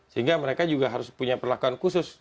sehingga mereka juga harus punya perlakuan khusus